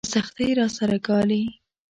څه سختۍ راسره ګالي.